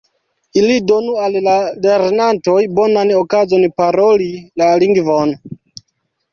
Ili donu al la lernantoj bonan okazon paroli la lingvon.